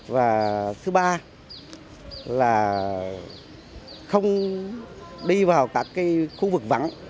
và thứ ba là không đi vào các khu vực vắng